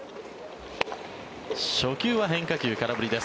初球は変化球空振りです。